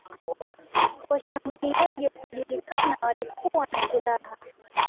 Washambuliaji wasiojulikana walikuwa na silaha